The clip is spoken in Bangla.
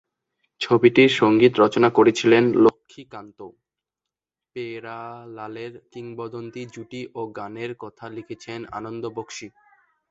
ছবিটির সংগীত রচনা করেছিলেন লক্ষ্মীকান্ত-পেয়ারলালের কিংবদন্তী জুটি এবং গানের কথা লিখেছেন আনন্দ বক্সী।